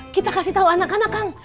kita kasih tahu anak anak kang